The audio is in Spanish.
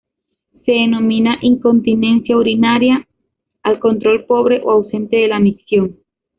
Se denomina incontinencia urinaria al control pobre o ausente de la micción.